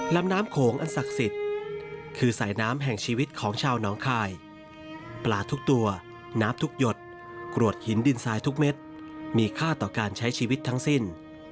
ลำน้ำโขงอันศักดิ์สิทธิ์คือสายน้ำแห่งชีวิตของชาวน้องคายปลาทุกตัวน้ำทุกหยดกรวดหินดินทรายทุกเม็ดมีค่าต่อการใช้ชีวิตทั้งสิ้น